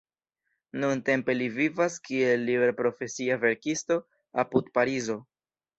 Nuntempe li vivas kiel liberprofesia verkisto apud Parizo.